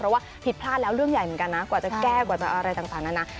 เพราะว่าผิดพลาดแล้วเรื่องใหญ่เหมือนกันนะกว่าจะแก้กว่าจะอะไรต่างนะนะ